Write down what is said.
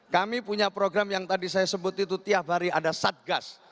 kami punya program yang tadi saya sebut itu tiap hari ada satgas